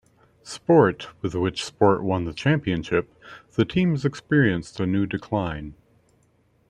Sport, with which Sport won the championship, the team has experienced a new decline.